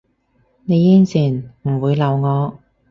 你應承唔會鬧我？